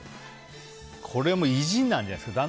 これは意地なんじゃないですか。